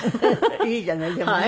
いいじゃないでもね。